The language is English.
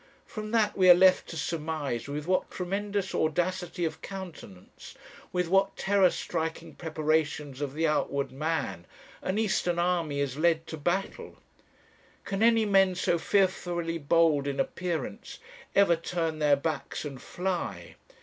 From that we are left to surmise with what tremendous audacity of countenance, with what terror striking preparations of the outward man, an Eastern army is led to battle. Can any men so fearfully bold in appearance ever turn their backs and fly?